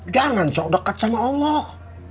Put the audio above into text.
jangan dekat sama allah